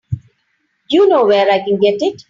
You know where I can get it?